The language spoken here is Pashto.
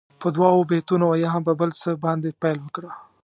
په دعاوو، بېتونو او یا هم په بل څه باندې پیل وکړه.